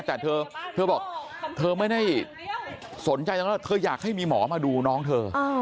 แต่เธอบอกเธอไม่ได้สนใจจังว่าเธออยากให้มีหมอมาดูน้องเธอ